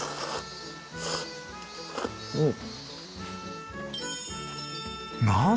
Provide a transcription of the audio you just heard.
うん！